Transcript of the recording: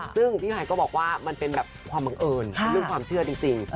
ซึ่งพี่ภัยก็บอกว่ามันเป็นแบบความมังเอิญเป็นหุ้นความเชื่อตรีจริง